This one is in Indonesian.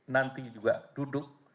nanti juga duduk